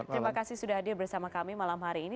terima kasih sudah hadir bersama kami malam hari ini